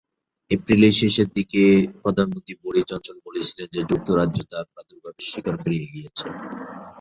এপ্রিলের শেষের দিকে প্রধানমন্ত্রী বরিস জনসন বলেছিলেন যে যুক্তরাজ্য তার প্রাদুর্ভাবের শিখর পেরিয়ে গেছে।